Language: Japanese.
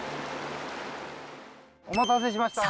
お待たせしました。